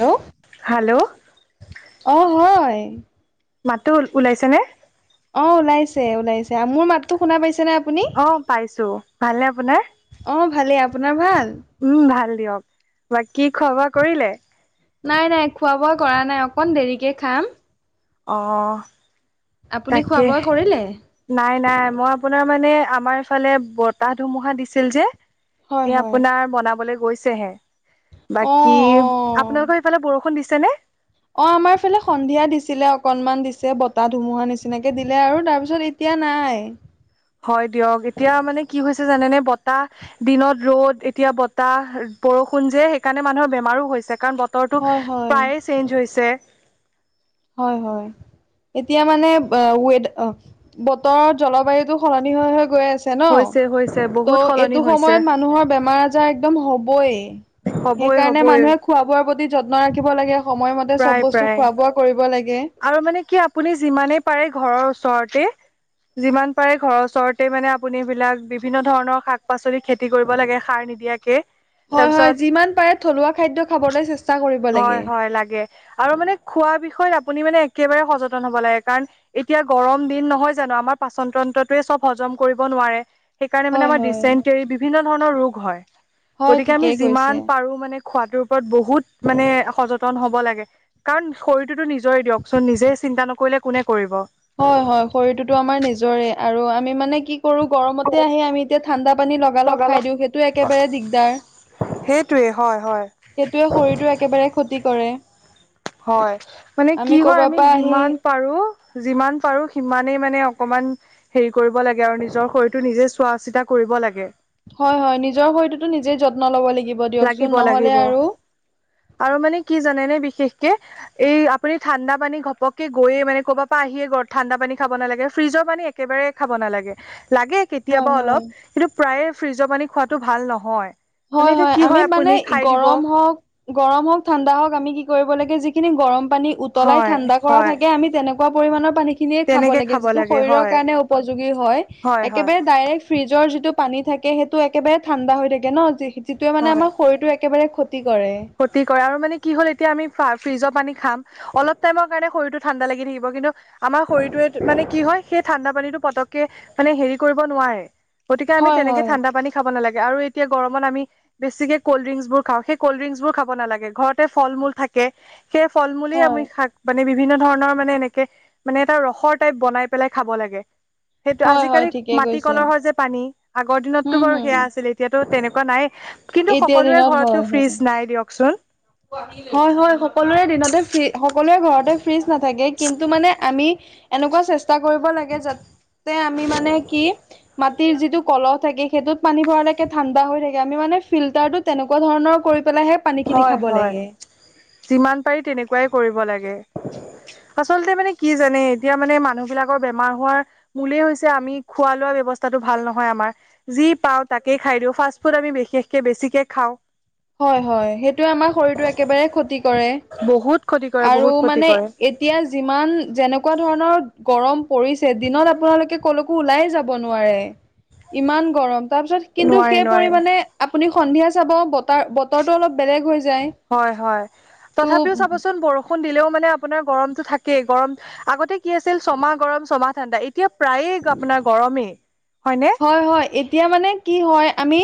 Hello. Hello. অ, 'হয়। মাটতো ওলাইছে নে? অ, 'ওলাইছে ওলাইছে মোৰ মাতটো শুনা পাইছে নে আপুনি? অ, ' পাইছো ভালনে আপোনাৰ? অ, ' ভালেই আপোনাৰ ভাল? উম ভাল দিয়ক বাকি খোৱা -বোৱা কৰিলে? নাই নাই খোৱা বোৱা কৰা নাই অকণ দেৰিকে খাম। অঁ। আপুনি খোৱা বোৱা কৰিলে? নাই নাই মই আপোনাৰ মানে আমাৰ এইফালে বতাহ ধুমুহা দিছিল যে হয় এয়া হয় আপোনাৰ বনাবলৈ গৈছেহে। অ বাকী অ আপোনালোকৰ সেইফালে বৰষুণ দিছে নে? অ আমাৰফালে সন্ধিয়া দিছিলে অকনমান দিছে বতাহ ধুমুহা নিচিনাকে দিলে আৰু তাৰপিছত এতিয়া নাই। হয় দিয়ক এতিয়া মানে কি হৈছে জানেনে বতাহ দিনত ৰ'দ এতিয়া বতাহ বৰষুণ যে সেইকাৰণে মানুহৰ বেমাৰো হৈছে কাৰণ ব তৰটো হয় হয় প্ৰায়েই চেঞ্জ হৈছে। হয় হয়। এতিয়া মানে ৱেডা বতৰ জলবায়ুতো সলনি হৈ হৈ গৈ আছে ন, হৈছে হৈছে ত বহুত সলনি এইটো হৈছে সময়ত মানুহৰ বেমাৰ আ জাৰ একদম হ'বই, হ'বই সেইকাৰণে হ'বই মানুহে খোৱা বোৱাৰ প্ৰতি যত্ন ৰাখিব লাগে। সময়মতে প্ৰায় চব বস্তু প্ৰায় খোৱা বোৱা কৰিব লাগে। আৰু মানে কি আপুনি যিমানে পাৰে ঘৰৰ ওচৰতে যিমান পাৰে ঘৰৰ ওচৰতে মানে আপুনি বিলাক বিভিন্ন ধৰণৰ শাক পাচলি খে খেতি কৰিব লাগে সাৰ নিদিয়াকে হয় হয় তাৰপিছত যিমান পাৰে থলুৱা খাদ্য খাবলৈ চে হয় হয় লাগে আৰু মানে খোৱা বিষয়ত আপুনি মানে একেবাৰে সচেতন হ'ব লাগে কাৰণ এতিয়া গৰম দিন নহয় জানো আমাৰ পাচন তন্ত্ৰটোয়ে চব হজম কৰিব নোৱাৰে। সেইকাৰণে মানে হয় আমাৰ হয় ডিচেণ্টেৰি বিভিন্ন ধৰণৰ ৰোগ হয়। হয় গতিকে আমি ঠিকেই যিমান কৈছে। পাৰো মানে খোৱাতোৰ ওপৰত বহুত মানে সযতন হ'ব লাগে। কাৰণ শৰীৰটোতো নিজৰে দিয়কচোন নিজে চিন্তা নকৰিলে কোনে কৰিব। হয় হয় শৰীৰটোতো আমাৰ নিজৰে আৰু আমি মানে কি কৰো গৰমতে আহি আমি এতিয়া ঠাণ্ডা পানী লগালগ খাই দিও সেইটো একেবাৰে দিগদাৰ। সেইটোৱে হয় হয়। সেইটোৱে শৰীৰটোৰ একেবাৰে ক্ষতি কৰে। হয়, মানে কি হয় কৰবাৰ আমি পৰা আহি যিমান পাৰোঁ যিমান পাৰোঁ সিমানেই মানে অকণমান হেৰি কৰিব লাগে আৰু নিজৰ শৰীৰটো নিজে চোৱা চিতা কৰিব লাগে। হয় হয় নিজৰ শৰীৰটোতো নিজেই যত্ন ল'ব লাগিব দিয়কচোন নহ'লে আৰু আৰু মানে কি জানে নে বিশেষকে এই আপুনি ঠাণ্ডা পানী ঘপকে গৈ মানে ক'ৰব পৰা আহিয়েৰত ঠণ্ডা পানী খাব নালাগে ফ্ৰিজৰ পানী একেবাৰে খাব নালাগে, লাগে হয় কেতিয়াবা হয় অলপ কিন্তু প্ৰায়ে ফ্ৰিজৰ পানি খোৱাাতটো ভাল নহয়। মানে হয় এতিয়া হয় কি আমি হয় আপুনি মানে খাই দিব গৰম হওঁক গৰম হওঁক ঠাণ্ডা হওঁক আমি কি কৰিব লাগে যিখিনি গৰম পানী উতলাই হয় ঠাণ্ডা কৰা হয় থাকে আমি তেনেকুৱা পৰিমাণৰ পানী খিনিয়ে খাব লাগে যিটো শৰীৰৰ কাৰণে উপযোগী হয় একেবাৰে ডাইৰেক্ট ফ্ৰিজৰ যিটো পানী থাকে সেইটো একেবাৰে ঠাণ্ডা হৈ থাকে ন যিটোৱে মানে আমাৰ শৰটো একেবাৰে ক্ষতি কৰে। ক্ষৰতি কৰে আৰু মানে কি হ'ল এতিয়া আমি ফা ফ্ৰিজৰ পানী খাম, অলপ টাইমৰ কাৰণে শৰতটো ঠাণ্ডা লাগি থাকিব কিন্তু আমাৰ শৰীৰটোৱে মানে কি হয়, সেই ঠাণ্ডা পানীটো পতকে মানে হেৰি কৰিব নোৱাৰে। গতিকে আমি হয় তেনেকে হয় ঠাণ্ডা খাব নালাগে আৰু এতিয়া গৰমত আমি বেছিকে কল্ড্ৰিংছ বোৰ খাওঁ, সেই কল্ডিংছ খাব নালাগে, ঘৰতে ফল মূল থাকে সেই ফল মূলেই হয় আমি খাক মানে বিভিন্ন ধৰণৰ মানে এনেকে মানে এটা ৰসৰ টাইপ বনাই পেলাই খাব লাগে। সেইটো হয় হয় আজিকালি ঠিকেই মাটি কৈছে কলহৰ যে পানী আগৰ দিনতটো হম বাৰু সেয়া হম আছিলে। সিহঁতৰ তেনেকুৱা নাই কিন্তু এতিয়া সকলোৰে দিনত ঘৰতটো হয় হয় ফ্ৰিজ নাই দিয়কচোন। হয় হয় সকলোৰে দিনতে ফি সকলোৰে ঘৰতে ফ্ৰিজ নাথাকে কিন্তু মানে আমি এনেকুৱা চেষ্টা কৰিব লাগে যাতে আমি মানে কি মা তিৰ যিটো কলহ থাকে সেইটোত পানী ভৰালৈকে ঠাণ্ডা হৈ থাকে, আমি মানে ফিল্টাৰটো তেনেকুৱা ধৰণৰ কৰি পেলাইহে পানীখিনি হয় হয় যিমান পাৰি তেনেকুৱাই কৰিব লাগে। আচলতে মানে কি জানে এতিয়া মানে মানুহ বিলাকৰ বেমাৰ হোৱাৰ মোলেই হৈছে আমি খোৱা লোৱা ব্যৱস্থাটো ভাল নহয় আমাৰ যি পাওঁ তাকেই খাই দিওঁ, ফাষ্টফুড আমি বিশেষকৈ বেছিকৈ খাওঁ। হয় হয় সেইটো আমাৰ শৰীৰটো একেবাৰে ক্ষতি কৰে বহুত ক্ষতি কৰে আৰু বহুত ক্ষতি মানে কৰে এ তিয়া যিমান যেনেকুৱা ধৰণৰ গৰম পৰিছে দিনত আপোনালোকে কলো কো ওলাই যাব নোৱাৰে ইমান গৰম, তাৰ পিছত কিন্তু নোৱাৰি সেই নোৱাৰি পৰিমাণে আপুনি সন্ধিয়া চাব বতাৰ বতৰটো অলপ বেলেগ হৈ যায়। হয় হয় ত' তথাপিও চাবচোন বৰ ষূণ দিলেও মানে আপোনাৰ গৰমতটো থাকেই গৰম, আগতে কি আছিল ছমাহ গৰম ছমাহ ঠাণ্ডা ই এতিয়া প্ৰায়ে আপোনাৰ গৰমেই, হয় নে? হয় হয় এতিয়া মানে কি হয় আমি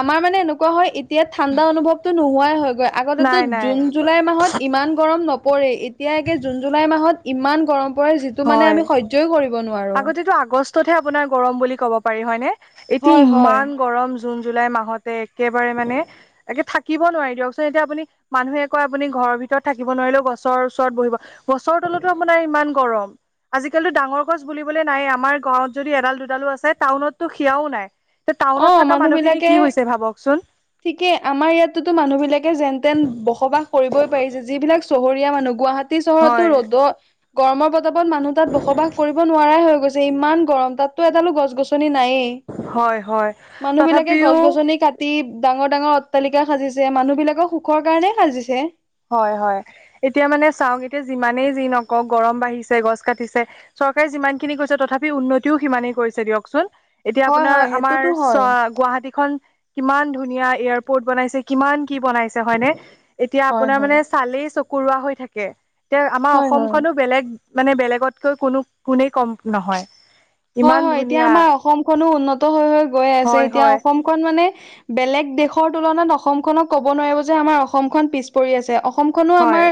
আমাৰ মানে এনেকুৱা হয় এ তিয়া ঠাণ্ডা অনুভৱটো নোহোৱাই হয়গৈ, আগতেতো নাই নাই জুন জুলাই মাহত ইমান গৰম নপৰে এতিয়াকে জুন জুলাই মাহত ইমান গৰম পৰে যিটো মানে হয় আমি সহ্য টোৱে কৰিব নোৱাৰো। আগতেতো আগষ্টতহে আপোনাৰ গৰম বুলি কব পাৰি হয় নে, এতিয়া হয় হয় ইমান গৰম জুন জুলাই মাহতে একেবাৰে মানে একে থাকিব নোৱাৰি দিয়কচোন এতিয়া আপুনি মানুহে কয় আপুনি ঘৰৰ ভিতৰত থাকিব নোৱাৰিলেও গছৰ ওচৰত বহিব। গছৰ তলতো অপোনাৰ ইমান গৰম আজিকালি ডাঙৰ গছ বুলিবলৈ নাই আমাৰ গাঁৱত যদি এডাল দুডালো আছে টাউনতটো সেয়াও নাই। তে টাউনত অ থকা মানুহ মানুহখিনি কি বিলাকে হৈছে ভাবকচোন। ঠিকে আমাৰ ইয়াতোতো মানুহ বিলাকে যেন তেন বসবাস কৰিবই পাৰিছে যিবিলাক চহৰীয়া মানুহ গুৱা হাতী চহৰতো হয় ৰ'দত গৰমৰ পতাপত মানুহ তাত বসবাস কৰিব নোৱাৰাই হৈ গৈছে। যে ইমান গৰম তাততো এডালো গছ গছনি নায়েই। হয় হয় মানুহ বিলাকে তথাপিও গছ-গছনি কা টি ডাঙৰ ডাঙৰ অট্টালিকা সাজিছে, মানুহ বিলাকৰ সুখৰ কাৰণেই সাজিছে। হয় হয় এতিয়া মানে চাওক এতিয়া যিমানেই যি নকওঁ গৰম বাঢ়িছে গছ কাটিছে। চৰকাৰে যিমানখিনি কৰিছে তথাপি উন্নতিও সিমানেই কৰিছে দিয়কচোন। এতিয়া হয় আপোনাৰ হয় আমাৰ সেইটোতো চ হয় গুৱাহাটীখন কিমান ধুনীয়া এয়াৰপৰ্ট বনাইছে কিমান কি বনাইছে হয়নে? এতিয়া হয় আপোনাৰ হয় মানে চালে চ কৰোৱা হৈ থাকে, তে আমাৰ হয় হয় অসমখনো বেলেগ মানে বেলেগতকৈ কোনো গুণেই কম নহয়। হয় ইমান হয় এতিয়া ধুনীয়া আমাৰ অসমখনো উন্নত হৈ হৈ গৈ আছে, হয় এতিয়া হয় অসমখন মানে বেলেগ দেশৰ তুলনাত অসমখনক কব নোৱাৰিব যে আমাৰ অসমখন পিছ পৰি আছে, অসম খনো হয় আমাৰ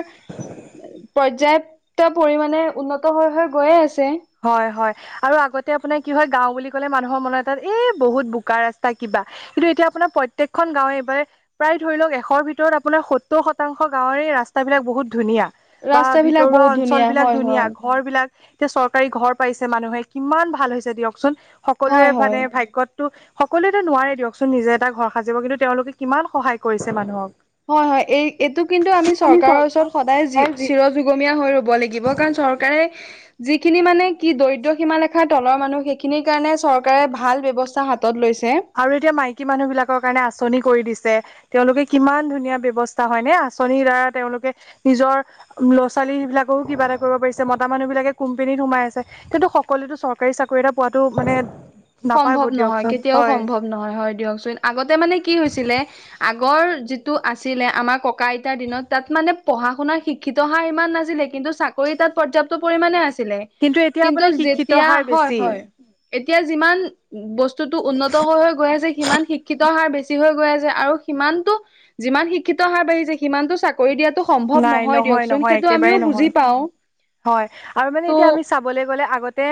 পৰ্যাপ্ত পৰিমানে উন্নত হৈ হৈ গৈয়ে আছে। হয় হয়। আৰু আগতে আপোনাৰ কি হয় গাওঁ বুলি ক'লে মানুহৰ মনত এ বহুত বোকা ৰাস্তা কিবা কিন্তু এতিয়া আপোনাৰ প্ৰত্যেকখন গাঁৱে এইবাৰ প্ৰায় ধৰি লওক এশৰ ভিতৰত আপোনাৰ সত্তৰ শতাংশ গাঁৱৰে ৰাস্তাবিলাক বহুত ধুনীয়া। বা ৰাস্তা বিলাক ভিতৰুৱা বহুত অঞ্চল ধুনীয়া বিলাক হয় ধুনীয়া হয় ঘৰ বিলাক এতিয়া চৰকাৰী ঘৰ পাইছে মানুহে কিমান ভাল হৈছে দিয়কচোন। হয় সকলোৱে হয় মানে ভাগ্যত ত সকলোৱে নোৱাৰে দিয়কচোন নিজে এটা ঘৰ সাজিব কিন্তু তেওঁলোকে কিমান সহায় কৰিছে মানুহক হয় হয় এই এইটো কিন্তু আমি চৰকাৰৰ ওচৰত সদায় যি চিৰ যুগমীয়া হৈ ৰ'ব লাগিব কাৰণ চৰকাৰে যিখিনি মানে কি দৰিদ্ৰ সীমা লেখাৰ তলৰ মানুহ সেইখিনিৰ কাৰণে চৰকাৰে ভাল ব্যৱস্থা হা হাতত লৈছে। আৰু এতিয়া মাইকী মানুহ বিলাকৰ কাৰণে আঁচনি কৰি দিছে। তেওঁলোকে কিমান ধুনীয়া ব্যৱস্থা হয় নে আঁচনিৰ দ্বাৰা তেওঁলোকে নিজৰ লৰা ছোৱালী বিলাককো কিবা এটা কৰিব পাৰিছে মতা মানুহ বিলাকে কোম্পেনীত সোমাই আছে। কিন্তু সকলোটো চৰকাৰী চাকৰি এটা পোৱাটো মানে নাপায়ব সম্ভৱ নহয় দিয়কচোন। কেতিয়াও হয় সম্ভৱ নহয় হয় দিয়কচোন আগতে মানে কি হৈছিলে আগৰ যিটো আছিলে আমাৰ ককা আইতাৰ দিনত তাত মানে পঢ়া শুনাৰ শিক শিক্ষিত হাৰ ইমান নাছিলে কিন্তু চাকৰি তাত পৰ্যাপ্ত পৰিমাণে আছিলে। এতিয়া কিন্তু আপোনাৰ শিক্ষিত যেতিয়া হাৰ হয় বেছি হয় এতিয়া যিমান বস্তুটো উন্নত হৈ হৈ গৈ আছে সিমান শিক্ষিত হাৰ বেছি হৈ গৈ আছে আৰু সিমানটো যিমান শিক্ষিত হাৰ বাঢ়িছে সিমানটো চাকৰি দিয়াতো নাই নহয় নহয় একেবাৰেই নহয় পাওঁ হয় আৰু মানে এতিয়া ত' আমি চাবলে গ'লে আগতে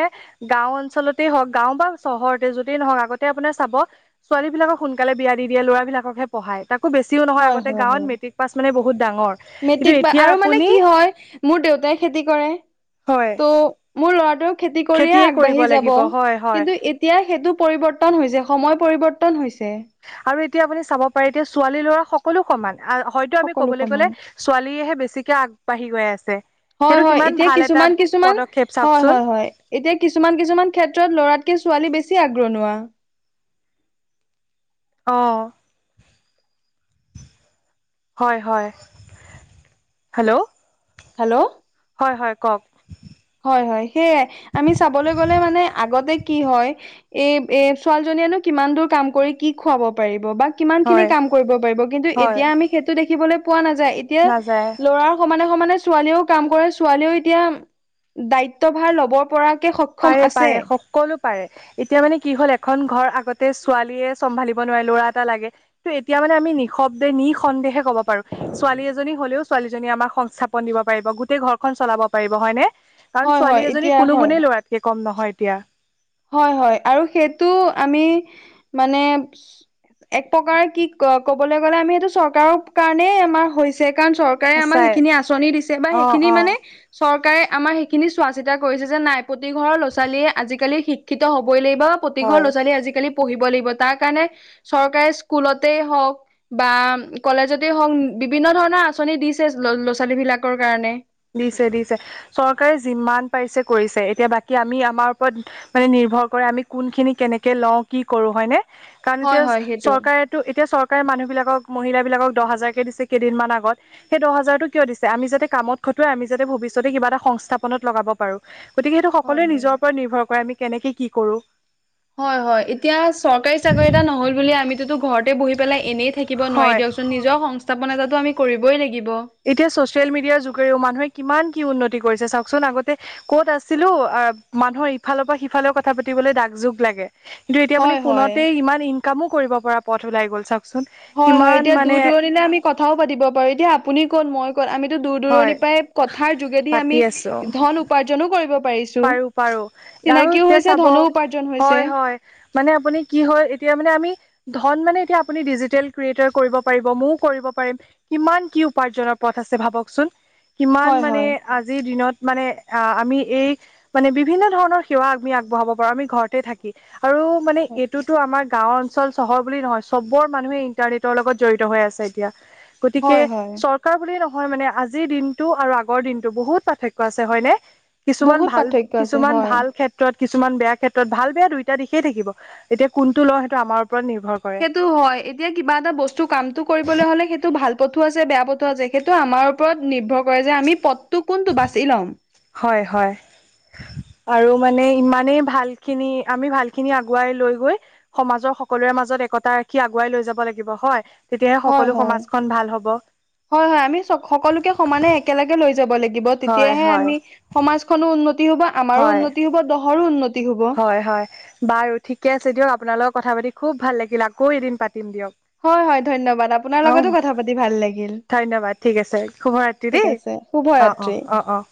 গাওঁ অঞ্চলতেই হওক গাওঁ বা চহৰতে যতেই নহওঁক আগতে আপোনাৰ চাব ছোৱালীবিলাকক সোনকালে বিয়া দি দিয়ে ল'ৰাবিলাককহে পঢ়াই তাক একো বেছিও নহয় হয় আগতে হয় গাঁওত হয় মেটিক পাচ মানে বহুত ডাঙৰ। কিন্তু মেট্ৰিক বা এতিয়া আৰু মানে আপুনি কি হয় মোৰ দেউতাই খেতি কৰে। হয়। ত মোৰ ল'ৰাটো খেতি কৰিয়ে খেতিয়ে কৰিব আগবাঢ়ি যাব লাগিব হয় হয় কিন্তু এতি এতিয়া সেইটো পৰিৱৰ্তন হৈছে সময় পৰিৱৰ্তন হৈছে। আৰু এতিয়া আপুনি চাব পাৰে এতিয়া ছোৱালী ল'ৰা সকলো সমান আ হয় তো আমি সকলো ক'বলৈ সমান গ'লে ছোৱালীয়েহে বেছিকে আগবাঢ়ি গৈ আছে। হয় সেইটো হয় কিমান এতিয়া ভাল এটা কিছুমান কিছুমান পদক্ষেপ হয় হয় চাওকচোন। হয় এতিয়া কিছুমান কিছুমান ক্ষেত্ৰত ল'ৰাতকে ছোৱালী বেছি আগ্ৰনোৱা। অ' হয় হয় হেল্ল হেল্ল' হয় হয় কওক। হয় হয় সেয়াই আমি চাবলৈ গলে মানে আগতে কি হয় এ এ ছোৱালীজনীয়েনো কিমান দূৰ কাম কৰি কি খুৱাব পাৰিব বা কিমান খিনি হয় কাম কৰিব পাৰিব কিন্তু হয় এতিয়া আমি সেইটো দেখিবলৈ পোৱা নাযায় এতিয়া নাযায় ল'ৰা সমানে সমানে ছোৱালীও কাম কৰে ছোৱালীও এতিয়া দায়িত্বভাৰ ল'ব পৰাকে সক পাৰে পাৰে শক সকলো পাৰে, এতিয়া মানে কি হ'ল এখন ঘৰ আগতে ছোৱালীয়ে চম্ভালিব নোৱাৰে ল'ৰা এটা লাগে। ত' এতিয়া মানে আমি নিশব্দে, নিসন্দেহে কব পাৰো ছোৱালী এজনী হলেও ছোৱালীজনী আমাক সংস্থাপন দিব পাৰিব গোটেই ঘৰখন চলাব পাৰিব হয়নে? কাৰণ হয় হয় ছোৱালী এজনী এতিয়া কোনো হয় গুনেেই ল'ৰাতকে কম নহয় এতিয়া। হয় হয় আৰু সেইটো আমি মানে এক প্ৰকাৰে কি ক'বলৈ গ'লে আমি সেইটো চৰকাৰৰ কাৰণেই আমাৰ হৈছে কাৰণ চৰ [unintelligible] আমাক সঁচাই সেইখিনি আঁচনি দিছে বা অ সেইখিনি অ মানে চৰকাৰে আমাৰ সেইখিনি চোৱা চিতা কৰিছে যে নাই প্ৰতি ঘৰৰ ল'ৰা ছোৱালীয়ে আজিকালি শি শিক্ষিত হ'বই লাগিব বা প্ৰতি ঘৰ হয় লৰ ছোৱালীয়ে আজিকালি পঢ়িব লাগিব তাৰ কাৰণে চৰকাৰে স্কুলতেই হওক বা কলেজতে হওঁক বিভিন্ন ধৰণৰ আঁচনি দিছে ল'ৰা ছোৱালী বিলাকৰ কাৰণে। দিছে দিছে, চৰকাৰে যিমান পাৰিছে কৰিছে এতিয়া বাকী আমি আমাৰ ওপৰত মানে নিৰ্ভৰ কৰে আমি কোনখিনি কেনেকে লওঁ কি কৰো হয়নে, কাৰণ হয় এতিয়া হয় সেইটো চৰকাৰে তো এতিয়া চৰকাৰে মানুহবিলাকক মহিলাবিলাকক দহ হাজাৰকৈ দিছে কেইদিনমান আগত। সেই দহ হাজাৰতটো কিয় দিছে, আমি যাতে কামত খটুৱাই আমি যাতে ভৱিষ্যতে কিবা এটা সংস্থাপত লগাব পাৰো। গতিকে সেইটো হয় সকলোৱে হয় নিজৰ ওপৰত নিৰ্ভৰ কৰে আমি কেনেকে কি কৰো। হয় হয়। এতিয়া চৰকাৰী চাকৰি এটা নহল বুলি আমিতোতো ঘৰতে বহি পেলাই এনেই থাকিব নোৱাৰি হয় দিয়কচোন। [unintelligible] সংস্থাপন এটাটো আমি কৰিবই লাগিব। এতিয়া ছচিয়েল মিডিয়াৰ যোগেৰেও মানুহে কিমান কি উন্নতি কৰিছে চাওকচোন আগতে ক'ত আছিলো মানুহৰ ইফালৰ পৰা সিফালে কথা পাতিবলৈ দাগ যুগ লাগে। কিন্তু এতিয়া আপুনি হয় হয়। ফোনতে ইমান ইনকামো কৰিব পৰা পথ ওলাই গ'ল চাওক। [unintelligible] হয় হয় কিমান এতিয়া দূৰ মানে। দূৰণিলে আমি কথাও পাতিব পাৰে এতিয়া আপুনি ক'ত, মই আমিতো দূৰ হয় দূৰণিৰ পৰা কথাৰ যোগেদি পাতি আমি আছো ধন উপাৰ্জনো কৰিব পাৰিছ পাৰো পাৰো আৰু এতিয়া চাব। উপাৰ্জন হৈছে। হয় হয়। মানে আপুনি কি হয় এতিয়া মানে আমি ধন মানে এতিয়া আপুনি ডিজিটেল ক্ৰিয়েটাৰ কৰিব পাৰিব, মইও কৰিব পাৰিম। কিমান কি উপাৰ্জনৰ পথ আছে ভাবকচোন। কিমান হয় মানে হয় আজিৰ দিনত মানে আ-আমি এই মানে বিভিন্ন ধৰণৰ সেৱা আমি আগবঢ়াব পাৰো, আমি ঘৰতে থাকি কি আৰু মানে এইটোতো আমাৰ গাঁওৰ [unintelligible] চহৰ বুলি নহয়। চবৰ মানুহে ইণ্টাৰনেটৰ লগত জড়িত হৈ আছে এতিয়া হয় হয় গতিকে বুলি নহয় মানে আজিৰ দিনটো আৰু আগৰ দিনটো বহুত পাৰ্থক্য আছে হয়নে? কিছুমান বহুত ভাল পাৰ্থক্য আছে কিছুমান হয়। ভাল খে [unintelligible] কিছুমান বেয়া ক্ষেত্ৰত ভাল বেয়া দুইটা দিশেই থাকিব এতিয়া কোনটো লও সেইটো আমাৰ ওপৰত নিৰ্ভৰ কৰে। টো হয় এতিয়া কিবা এটা বস্তু কামটো কৰিবলৈ হলে সেইটো ভাল পথো আছে, বেয়া পথো আছে সেইটো আমাৰ উপ ওপৰত নিৰ্ভৰ কৰে যে আমি পথটো কোনটো বাছি ল'ম। হয় হয়। আৰু মানে ইমানেই ভাল খিনি, আমি ভাল খিনি আগুৱাই লৈ গৈ। সমাজৰ সকলোৰে মাজত একতা ৰাখি আগুৱাই লৈ যাব লাগিব হয়। তেতিয়াহে হয় সকলো হয়। সমাজখন ভাল হ'ব। হয় হয়, আমি সকলোকে সমানে একেলগে লৈ যাব লাগি দিব হয় তেতিয়াহে হয় আমি সমাজখনো উন্নতি হব, আমাৰো হয় উন্নতি হব, দহৰো উন্নতি হব। হয় হয় বাৰু ঠিকে আছে দিয়ক, আপোনাৰ লগত কথা পাতি খুব ভাল লাগিল। আকৌ এদিন পাতিম দিয়ক। হয় হয় ধন্যবাদ আপোনাৰ লগতো অ', কথা পাতি ভাল লাগিল। ধন্যবাদ। ঠিক আছে, শুভ ৰাত ঠিক দিদি, আছে অ' অ' শুভৰাত্ৰি। অ' অ'।